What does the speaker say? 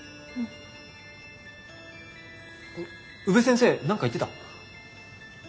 宇部先生何か言ってた？